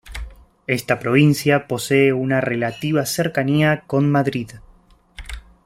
Esta provincia posee una relativa cercanía con Madrid.